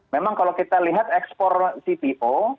memang kalau kita lihat ekspor cpo